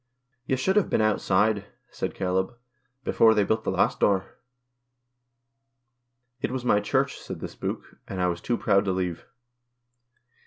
" You should have been outside," said Caleb, " before they built the last door." " It was my Church," said the spook, " and I was too proud to leave."